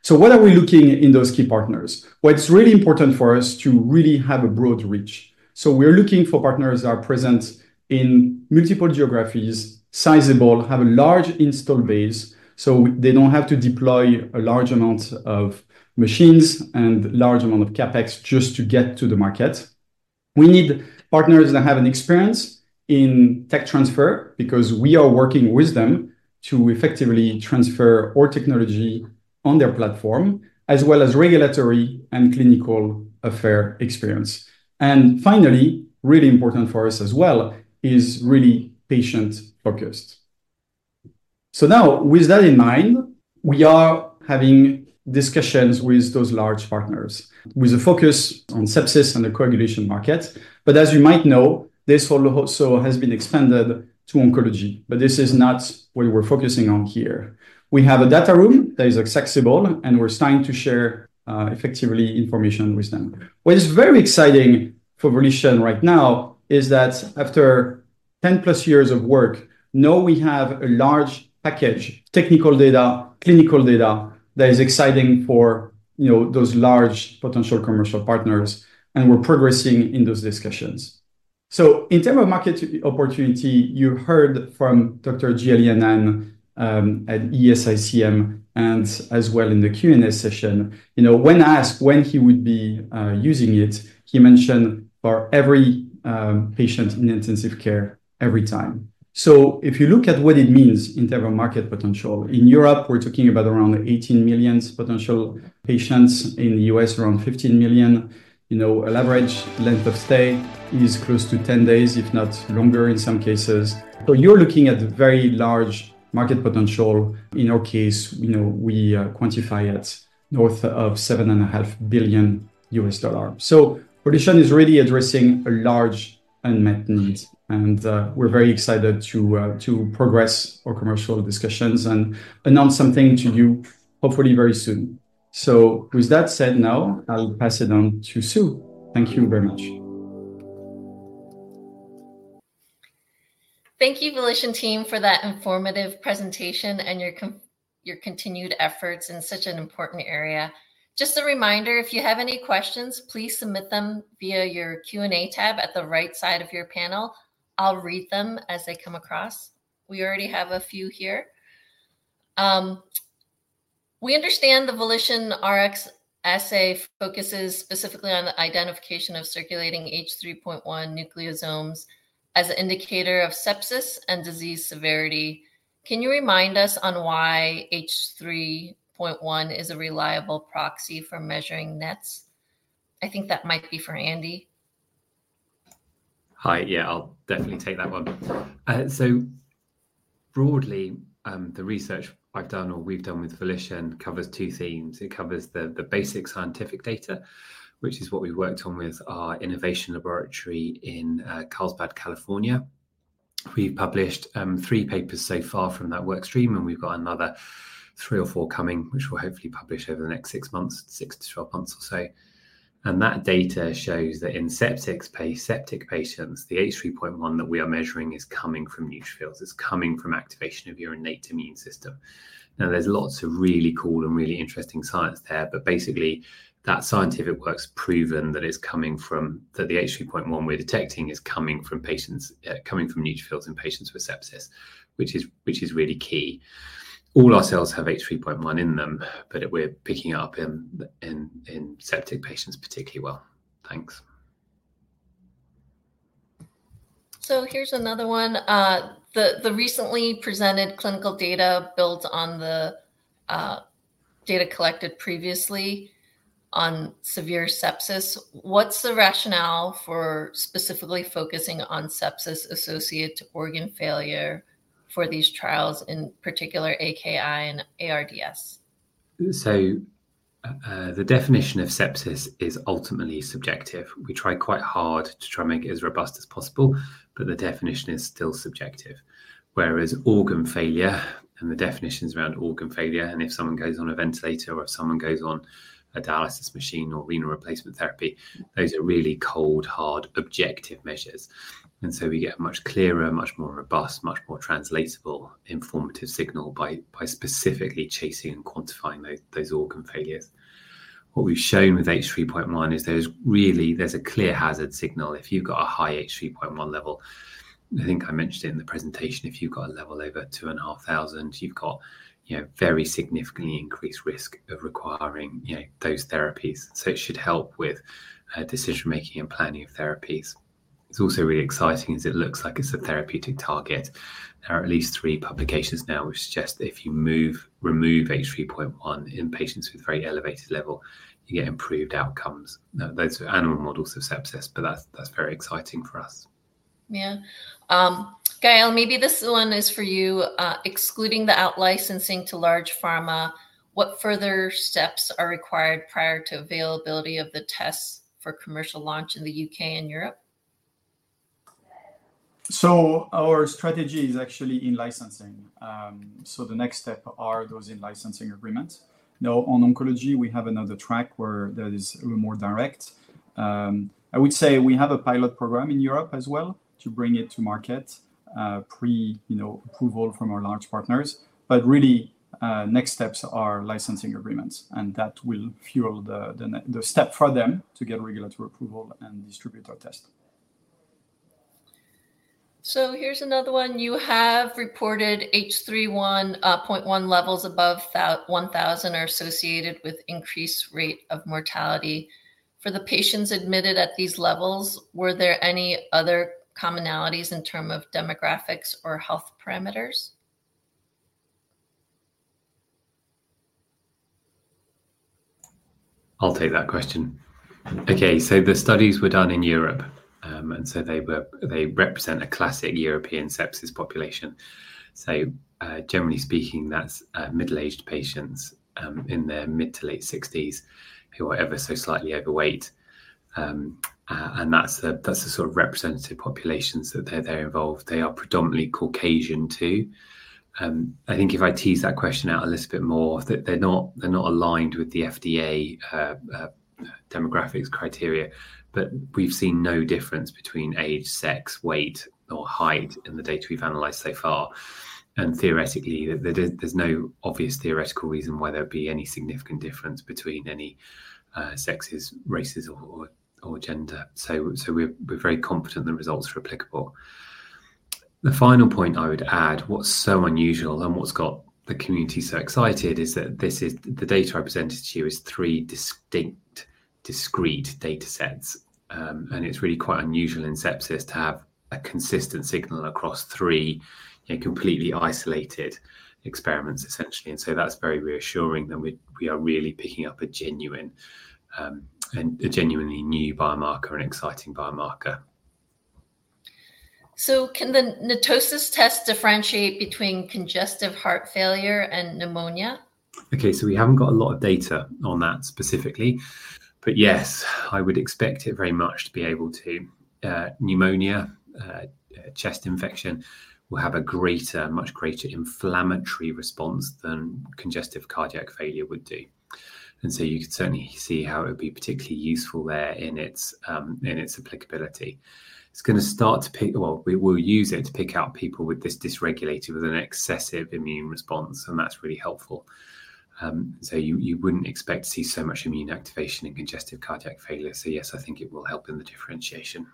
What are we looking in those key partners? Well, it's really important for us to really have a broad reach. We're looking for partners that are present in multiple geographies, sizable, have a large install base, so they don't have to deploy a large amount of machines and large amount of CapEx just to get to the market. We need partners that have an experience in tech transfer, because we are working with them to effectively transfer our technology on their platform, as well as regulatory and clinical affairs experience. And finally, really important for us as well, is really patient-focused. So now, with that in mind, we are having discussions with those large partners, with a focus on sepsis and the coagulation market. But as you might know, this also has been expanded to oncology, but this is not what we're focusing on here. We have a data room that is accessible, and we're starting to share effectively information with them. What is very exciting for Volition right now is that after ten plus years of work, now we have a large package, technical data, clinical data, that is exciting for, you know, those large potential commercial partners, and we're progressing in those discussions. So in terms of market opportunity, you heard from Dr. Djillali Annane at ESICM, and as well in the Q&A session. You know, when asked when he would be using it, he mentioned for every patient in intensive care every time. So if you look at what it means in terms of market potential, in Europe, we're talking about around 18 million potential patients. In the U.S., around 15 million. You know, an average length of stay is close to 10 days, if not longer in some cases. So you're looking at very large market potential. In our case, you know, we quantify it north of $7.5 billion. So Volition is really addressing a large unmet need, and we're very excited to progress our commercial discussions and announce something to you, hopefully very soon. So with that said, now I'll pass it on to Sue. Thank you very much. Thank you, Volition team, for that informative presentation and your continued efforts in such an important area. Just a reminder, if you have any questions, please submit them via your Q&A tab at the right side of your panel. I'll read them as they come across. We already have a few here.... We understand the VolitionRx assay focuses specifically on the identification of circulating H3.1 nucleosomes as an indicator of sepsis and disease severity. Can you remind us on why H3.1 is a reliable proxy for measuring NETs? I think that might be for Andy. Hi. Yeah, I'll definitely take that one. So broadly, the research I've done or we've done with Volition covers two themes. It covers the basic scientific data, which is what we've worked on with our innovation laboratory in Carlsbad, California. We've published three papers so far from that work stream, and we've got another three or four coming, which we'll hopefully publish over the next six months, six to twelve months or so, and that data shows that in septic patients, the H3.1 that we are measuring is coming from neutrophils. It's coming from activation of your innate immune system. Now, there's lots of really cool and really interesting science there, but basically, that scientific work's proven that it's coming from... That the H3.1 we're detecting is coming from patients, coming from neutrophils in patients with sepsis, which is really key. All our cells have H3.1 in them, but we're picking up in septic patients particularly well. Thanks. So here's another one. The recently presented clinical data builds on the data collected previously on severe sepsis. What's the rationale for specifically focusing on sepsis-associated organ failure for these trials, in particular, AKI and ARDS? So, the definition of sepsis is ultimately subjective. We try quite hard to try and make it as robust as possible, but the definition is still subjective. Whereas organ failure, and the definitions around organ failure, and if someone goes on a ventilator or if someone goes on a dialysis machine or renal replacement therapy, those are really cold, hard, objective measures. And so we get a much clearer, much more robust, much more translatable, informative signal by specifically chasing and quantifying those organ failures. What we've shown with H3.1 is there's really a clear hazard signal if you've got a high H3.1 level. I think I mentioned in the presentation, if you've got a level over two and a half thousand, you've got, you know, very significantly increased risk of requiring, you know, those therapies. So it should help with decision-making and planning of therapies. It's also really exciting, as it looks like it's a therapeutic target. There are at least three publications now, which suggest that if you remove H3.1 in patients with very elevated level, you get improved outcomes. Now, those are animal models of sepsis, but that's very exciting for us. Yeah. Gaelle, maybe this one is for you. Excluding the out-licensing to large pharma, what further steps are required prior to availability of the tests for commercial launch in the UK and Europe? So our strategy is actually in licensing. So the next step are those in licensing agreement. Now, on oncology, we have another track where that is a more direct. I would say we have a pilot program in Europe as well to bring it to market, pre, you know, approval from our large partners. But really, next steps are licensing agreements, and that will fuel the next step for them to get regulatory approval and distribute our test. So here's another one. You have reported H3.1 levels above one thousand are associated with increased rate of mortality. For the patients admitted at these levels, were there any other commonalities in terms of demographics or health parameters? I'll take that question. Okay, so the studies were done in Europe, and so they represent a classic European sepsis population. So, generally speaking, that's middle-aged patients in their mid to late sixties, who are ever so slightly overweight. And that's the sort of representative populations that they're involved. They are predominantly Caucasian, too. I think if I tease that question out a little bit more, they're not aligned with the FDA demographics criteria, but we've seen no difference between age, sex, weight, or height in the data we've analyzed so far. And theoretically, there's no obvious theoretical reason why there'd be any significant difference between any sexes, races, or gender. So we're very confident the results are applicable. The final point I would add, what's so unusual and what's got the community so excited, is that this is... The data I presented to you is three distinct, discrete data sets, and it's really quite unusual in sepsis to have a consistent signal across three, you know, completely isolated experiments, essentially. And so that's very reassuring that we, we are really picking up a genuine, and a genuinely new biomarker, an exciting biomarker. So can the NETosis test differentiate between congestive heart failure and pneumonia? Okay, so we haven't got a lot of data on that specifically, but yes, I would expect it very much to be able to. Pneumonia, chest infection will have a greater, much greater inflammatory response than congestive cardiac failure would do. And so you could certainly see how it would be particularly useful there in its applicability. It's gonna start to pick... Well, we will use it to pick out people with this dysregulated, excessive immune response, and that's really helpful. So you wouldn't expect to see so much immune activation in congestive cardiac failure, so yes, I think it will help in the differentiation....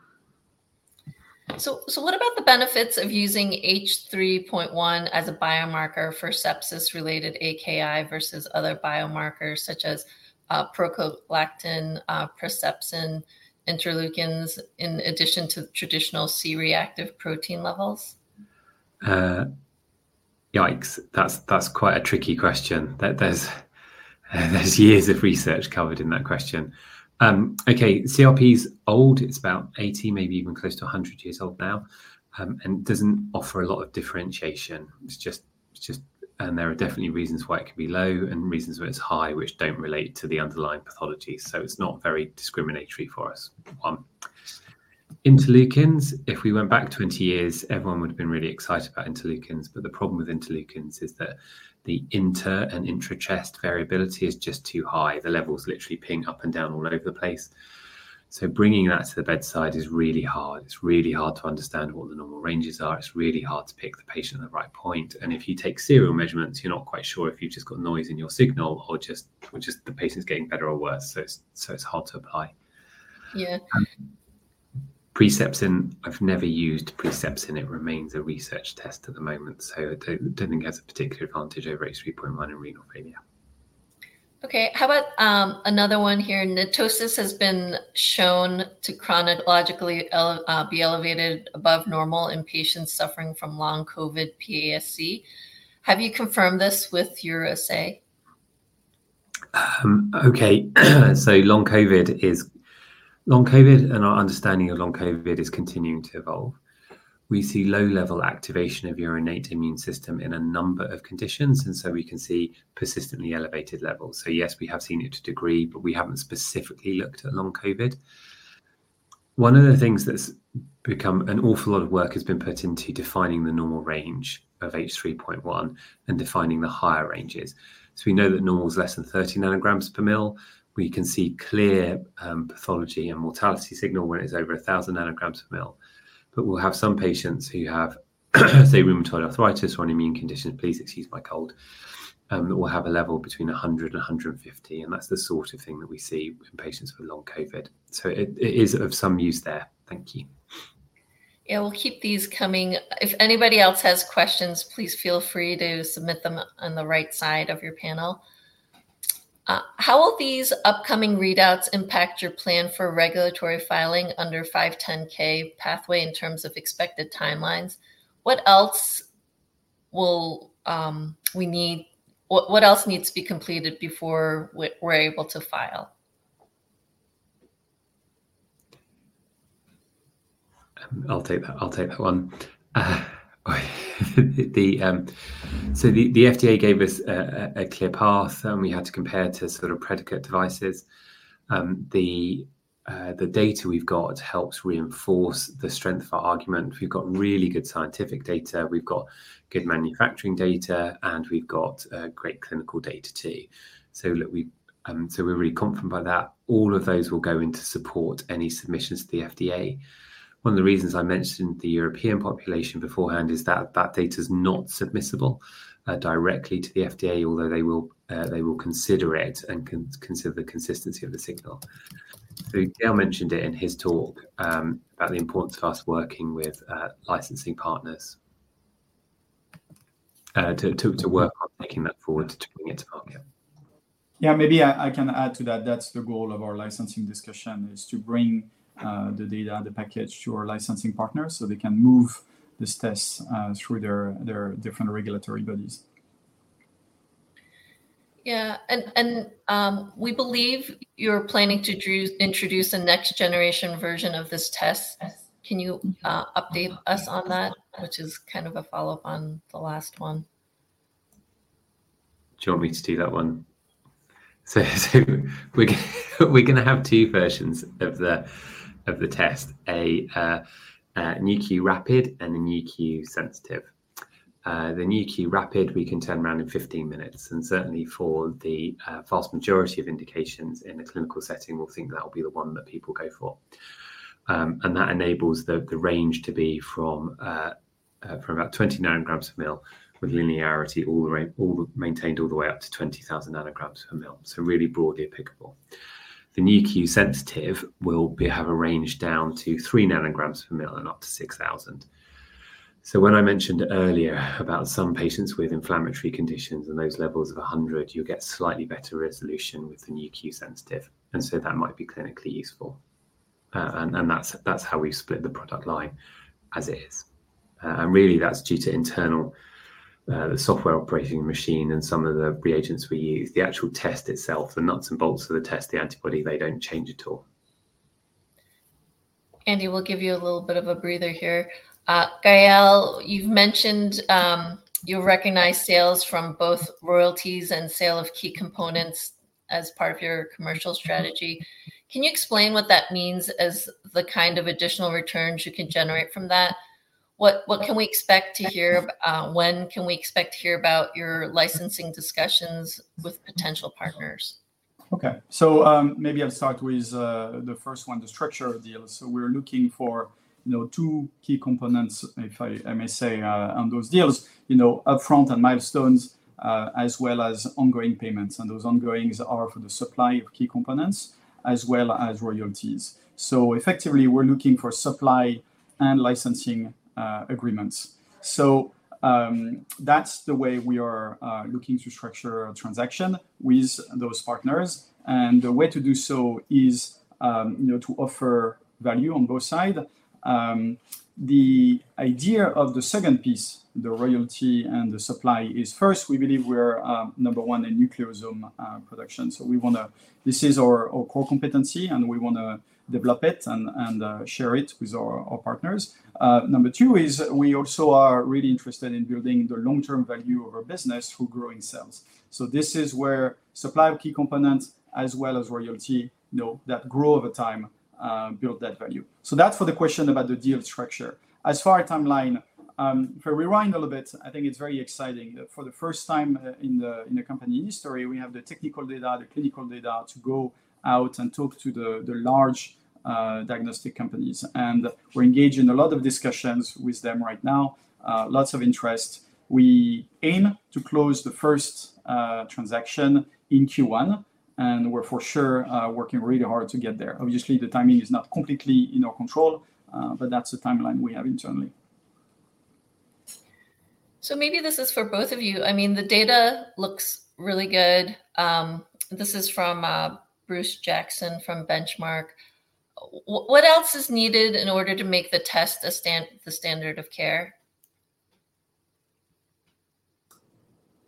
So, so what about the benefits of using H3.1 as a biomarker for sepsis-related AKI versus other biomarkers, such as, procalcitonin, Presepsin, interleukins, in addition to traditional C-reactive protein levels? Yikes! That's quite a tricky question. There's years of research covered in that question. Okay, CRP is old. It's about 80, maybe even close to 100 years old now, and doesn't offer a lot of differentiation. It's just, and there are definitely reasons why it can be low and reasons why it's high, which don't relate to the underlying pathology, so it's not very discriminatory for us. Interleukins, if we went back 20 years, everyone would have been really excited about interleukins, but the problem with interleukins is that the inter- and intra-subject variability is just too high. The levels literally ping up and down all over the place, so bringing that to the bedside is really hard. It's really hard to understand what the normal ranges are. It's really hard to pick the patient at the right point. If you take serial measurements, you're not quite sure if you've just got noise in your signal or just the patient's getting better or worse. So it's hard to apply. Yeah. Preseptin, I've never used Preseptin. It remains a research test at the moment, so I don't think it has a particular advantage over H3.1 in renal failure. Okay, how about another one here? NETosis has been shown to be elevated above normal in patients suffering from long COVID PASC. Have you confirmed this with your assay? Okay. Long COVID and our understanding of long COVID is continuing to evolve. We see low-level activation of your innate immune system in a number of conditions, and so we can see persistently elevated levels. So yes, we have seen it to a degree, but we haven't specifically looked at long COVID. One of the things that's become an awful lot of work has been put into defining the normal range of H3.1 and defining the higher ranges. So we know that normal is less than 30 nanograms per ml. We can see clear pathology and mortality signal when it's over 1,000 nanograms per ml. But we'll have some patients who have, say, rheumatoid arthritis or an immune condition, please excuse my cold, will have a level between a hundred and a hundred and fifty, and that's the sort of thing that we see in patients with long COVID. So it is of some use there. Thank you. Yeah, we'll keep these coming. If anybody else has questions, please feel free to submit them on the right side of your panel. How will these upcoming readouts impact your plan for regulatory filing under the 510(k) pathway in terms of expected timelines? What else needs to be completed before we're able to file? I'll take that. I'll take that one. So the FDA gave us a clear path, and we had to compare to sort of predicate devices. The data we've got helps reinforce the strength of our argument. We've got really good scientific data, we've got good manufacturing data, and we've got great clinical data, too. So look, we, so we're really confident by that. All of those will go in to support any submissions to the FDA. One of the reasons I mentioned the European population beforehand is that that data is not submissible directly to the FDA, although they will consider it and consider the consistency of the signal. So Gaelle mentioned it in his talk about the importance of us working with licensing partners to work on taking that forward to bringing it to market. Yeah, maybe I can add to that. That's the goal of our licensing discussion, is to bring the data, the package to our licensing partners so they can move this test through their different regulatory bodies. Yeah, and we believe you're planning to introduce a next generation version of this test. Can you update us on that? Which is kind of a follow-up on the last one. Do you want me to do that one? So we're gonna have two versions of the test: a Nu.Q Rapid and a Nu.Q Sensitive. The Nu.Q Rapid we can turn around in 15 minutes, and certainly for the vast majority of indications in the clinical setting, we'll think that will be the one that people go for. And that enables the range to be from about 20 nanograms per ml with linearity all the way maintained all the way up to 20,000 nanograms per ml, so really broadly applicable. The Nu.Q Sensitive will have a range down to 3 nanograms per ml and up to 6,000. So when I mentioned earlier about some patients with inflammatory conditions and those levels of 100, you'll get slightly better resolution with the Nu.Q Sensitive, and so that might be clinically useful. And that's how we've split the product line as it is. And really, that's due to internal, the software operating the machine and some of the reagents we use. The actual test itself, the nuts and bolts of the test, the antibody, they don't change at all. Andy, we'll give you a little bit of a breather here. Gaelle, you've mentioned you recognize sales from both royalties and sale of key components as part of your commercial strategy. Can you explain what that means as the kind of additional returns you can generate from that? What can we expect to hear, when can we expect to hear about your licensing discussions with potential partners? Okay. So, maybe I'll start with the first one, the structure of the deals. So we're looking for, you know, two key components, if I may say, on those deals, you know, upfront and milestones, as well as ongoing payments, and those ongoings are for the supply of key components as well as royalties. So effectively, we're looking for supply and licensing agreements. So, that's the way we are looking to structure a transaction with those partners. And the way to do so is, you know, to offer value on both side. The idea of the second piece, the royalty and the supply, is first, we believe we're number one in nucleosome production, so we wanna. This is our core competency, and we wanna develop it and share it with our partners. Number two is we also are really interested in building the long-term value of our business through growing sales, so this is where supply of key components as well as royalty, you know, that grow over time, build that value, so that's for the question about the deal structure. As far as timeline, if we rewind a little bit, I think it's very exciting. For the first time in the company history, we have the technical data, the clinical data, to go out and talk to the large diagnostic companies, and we're engaged in a lot of discussions with them right now, lots of interest. We aim to close the first transaction in Q1, and we're for sure working really hard to get there. Obviously, the timing is not completely in our control, but that's the timeline we have internally. Maybe this is for both of you. I mean, the data looks really good. This is from Bruce Jackson from Benchmark. What else is needed in order to make the test the standard of care?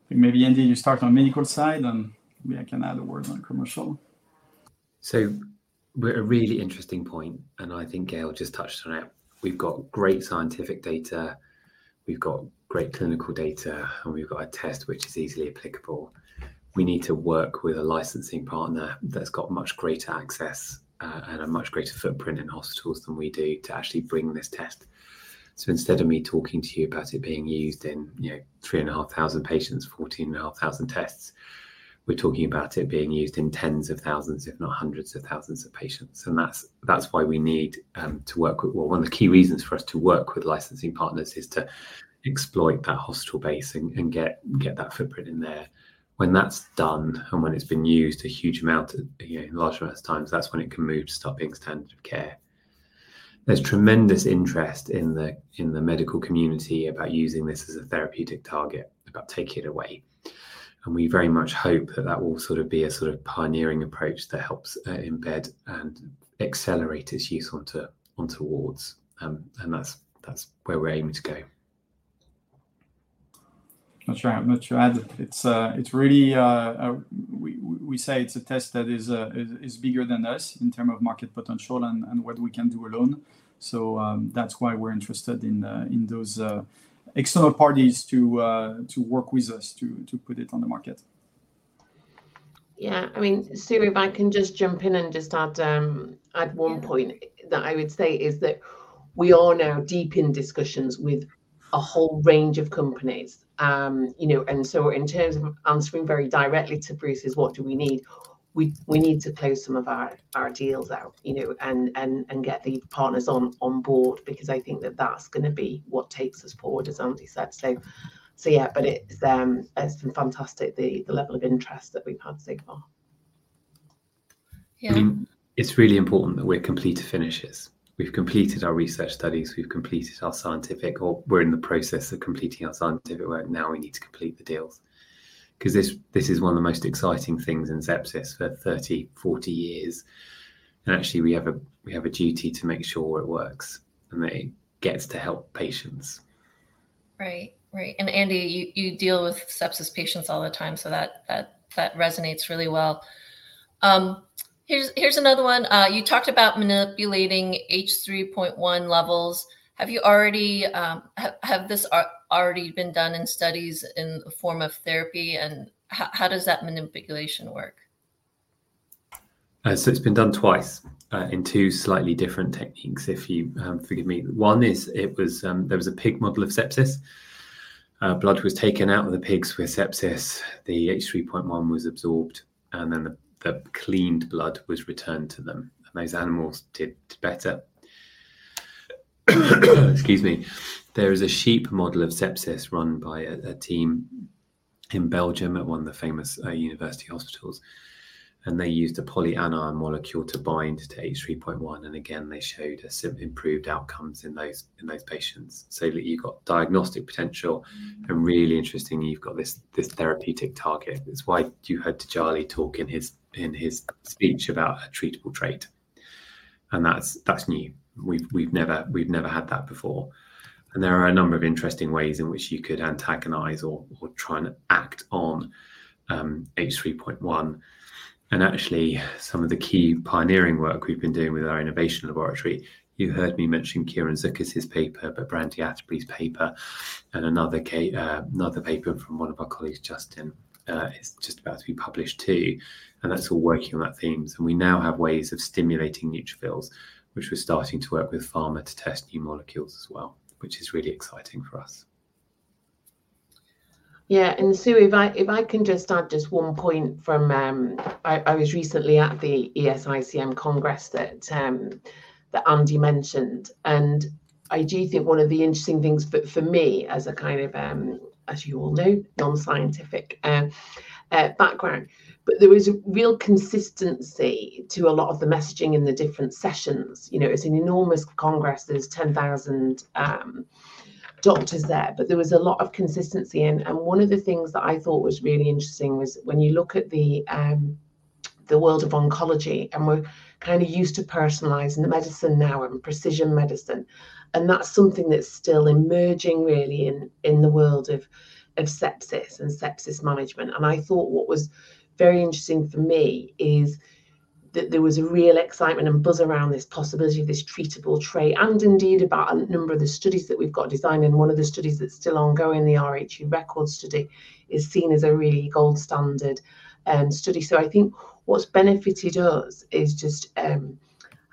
Maybe, Andy, you start on the medical side, and maybe I can add a word on commercial. So we're at a really interesting point, and I think Gaelle just touched on it. We've got great scientific data, we've got great clinical data, and we've got a test which is easily applicable. We need to work with a licensing partner that's got much greater access and a much greater footprint in hospitals than we do to actually bring this test. So instead of me talking to you about it being used in, you know, three and a half thousand patients, fourteen and a half thousand tests, we're talking about it being used in tens of thousands, if not hundreds of thousands of patients, and that's why we need to work with... Well, one of the key reasons for us to work with licensing partners is to exploit that hospital base and get that footprint in there. When that's done, and when it's been used a huge amount, you know, large amount of times, that's when it can move to stopping standard of care. There's tremendous interest in the medical community about using this as a therapeutic target, about taking it away, and we very much hope that that will sort of be a sort of pioneering approach that helps embed and accelerate its use onto, onto wards. And that's where we're aiming to go. Not sure to add. It's really. We say it's a test that is bigger than us in terms of market potential and what we can do alone. So, that's why we're interested in those external parties to work with us to put it on the market. Yeah. I mean, Sue, if I can just jump in and just add one point- Yeah... that I would say is that we are now deep in discussions with a whole range of companies. You know, and so in terms of answering very directly to Bruce's what do we need, we need to close some of our deals out, you know, and get the partners on board, because I think that that's gonna be what takes us forward, as Andy said. So yeah, but it's been fantastic, the level of interest that we've had so far. Yeah. I mean, it's really important that we're complete finishers. We've completed our research studies, we've completed our scientific, or we're in the process of completing our scientific work. Now we need to complete the deals, 'cause this is one of the most exciting things in sepsis for thirty, forty years, and actually, we have a duty to make sure it works and that it gets to help patients. Right. Right. And, Andy, you deal with sepsis patients all the time, so that resonates really well. Here's another one. You talked about manipulating H3.1 levels. Have you already... Has this already been done in studies in the form of therapy, and how does that manipulation work? So it's been done twice in two slightly different techniques, if you forgive me. One is there was a pig model of sepsis. Blood was taken out of the pigs with sepsis, the H3.1 was absorbed, and then the cleaned blood was returned to them, and those animals did better. There is a sheep model of sepsis run by a team in Belgium at one of the famous university hospitals, and they used a polyanion molecule to bind to H3.1, and again, they showed improved outcomes in those patients. So you've got diagnostic potential, and really interestingly, you've got this therapeutic target. It's why you heard Charlie talk in his speech about a treatable trait, and that's new. We've never had that before, and there are a number of interesting ways in which you could antagonize or try and act on H3.1. And actually, some of the key pioneering work we've been doing with our innovation laboratory, you heard me mention Kieran Zukas's paper, but Brandy Atterbury's paper and another paper from one of our colleagues, Justin, is just about to be published, too, and that's all working on those themes. And we now have ways of stimulating neutrophils, which we're starting to work with pharma to test new molecules as well, which is really exciting for us. Yeah, and Sue, if I, if I can just add one point from, I was recently at the ESICM Congress that Andy mentioned, and I do think one of the interesting things for, for me as a kind of, as you all know, non-scientific background, but there was a real consistency to a lot of the messaging in the different sessions. You know, it's an enormous congress. There's 10,000 doctors there, but there was a lot of consistency, and one of the things that I thought was really interesting was when you look at the world of oncology, and we're kind of used to personalizing the medicine now and precision medicine, and that's something that's still emerging really in the world of sepsis and sepsis management. I thought what was very interesting for me is that there was a real excitement and buzz around this possibility of this treatable trait, and indeed, about a number of the studies that we've got designed, and one of the studies that's still ongoing, the RHU RECORDS study, is seen as a really gold standard study. I think what's benefited us is just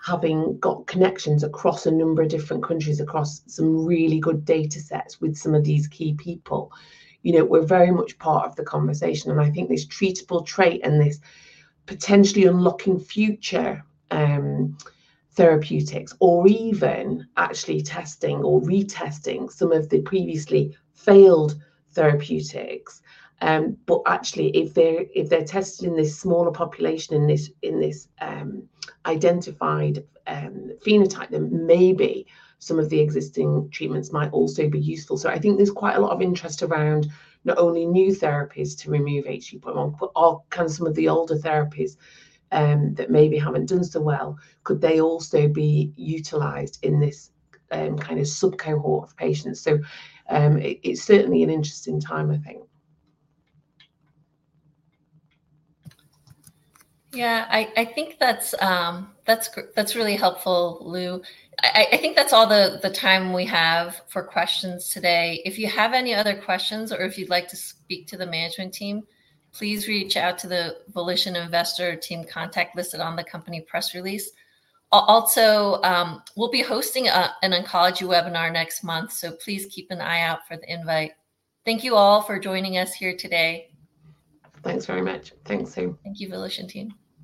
having got connections across a number of different countries, across some really good data sets with some of these key people. You know, we're very much part of the conversation, and I think this treatable trait and this potentially unlocking future, therapeutics or even actually testing or retesting some of the previously failed therapeutics, but actually, if they're tested in this smaller population, in this identified, phenotype, then maybe some of the existing treatments might also be useful. So I think there's quite a lot of interest around not only new therapies to remove H3.1, but all kinds of some of the older therapies, that maybe haven't done so well, could they also be utilized in this kind of sub-cohort of patients? So, it's certainly an interesting time, I think. Yeah, I think that's really helpful, Lou. I think that's all the time we have for questions today. If you have any other questions or if you'd like to speak to the management team, please reach out to the Volition investor team contact listed on the company press release. Also, we'll be hosting an oncology webinar next month, so please keep an eye out for the invite. Thank you all for joining us here today. Thanks very much. Thanks, Sue. Thank you, Volition team.